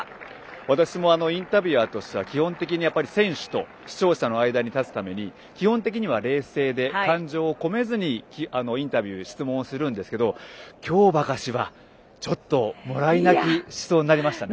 私もインタビュアーとして基本的には選手と視聴者の間に立つために基本的には冷静で感情を込めずにインタビュー質問をするんですけど今日ばかしはちょっと、もらい泣きしそうになりましたね。